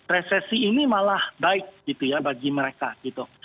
resesi ini malah baik gitu ya bagi mereka gitu